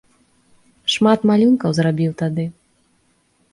Шмат малюнкаў зрабіў тады.